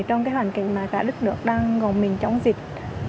trong hoàn cảnh đất nước đang gồm mình chống dịch